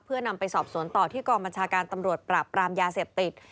เพื่อนำไปสอบสวนต่อที่กองบัญชาการตำรวจปราบปรามยาเสพติด